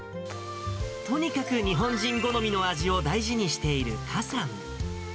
とにかく日本人好みの味を大事にしているかさん。